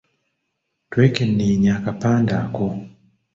Twekenneenya akapande ako.